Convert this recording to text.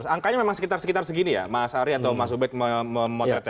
angkanya memang sekitar sekitar segini ya mas ari atau mas ubed memotretnya